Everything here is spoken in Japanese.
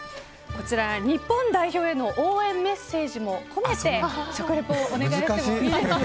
日本代表への応援メッセージも込めて食リポをお願いします。